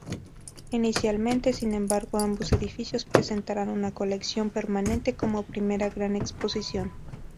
Inicialmente, sin embargo, ambos edificios presentarán una colección permanente como primera gran exposición.